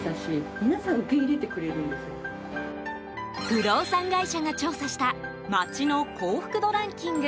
不動産会社が調査した街の幸福度ランキング。